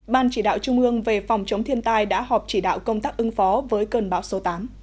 ban chỉ đạo trung ương về phòng chống thiên tai đã họp chỉ đạo công tác ứng phó với cơn bão số tám